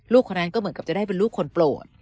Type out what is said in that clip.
คนนั้นก็เหมือนกับจะได้เป็นลูกคนโปรด